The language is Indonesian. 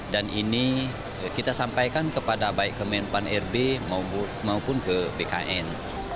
dan ini kita sampaikan kepada baik kemenpan rb maupun ke bkn